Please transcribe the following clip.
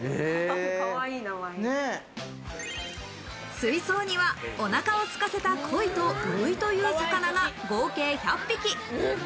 水槽にはおなかをすかせたコイとウグイという魚が合計１００匹。